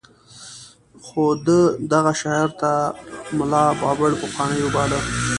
خو ده دغه شاعر تر ملا بابړ پخوانۍ وباله.